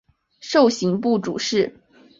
授刑部主事。